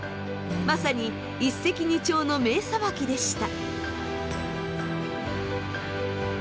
まさに一石二鳥の名裁きでした。